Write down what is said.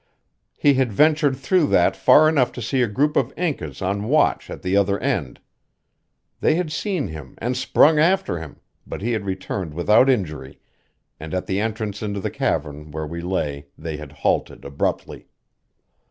He had ventured through that far enough to see a group of Incas on watch at the other end. They had seen him and sprung after him, but he had returned without injury, and at the entrance into the cavern where we lay they had halted abruptly.